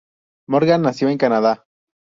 Morgan nació en Canadá.